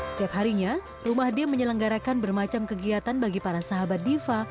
setiap harinya rumah d menyelenggarakan bermacam kegiatan bagi para sahabat diva